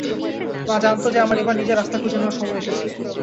মা জানত যে আমার এবার নিজের রাস্তা খুঁজে নেওয়ার সময় এসেছে।